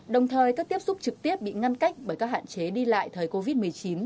đồng thời các tiếp xúc trực tiếp bị ngăn cách bởi các hạn chế đi lại thời covid một mươi chín